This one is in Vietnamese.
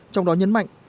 trong đó nhấn mạnh